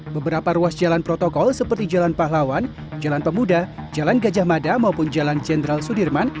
beberapa ruas jalan protokol seperti jalan pahlawan jalan pemuda jalan gajah mada maupun jalan jenderal sudirman